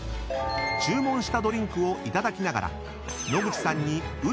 ［注文したドリンクをいただきながら］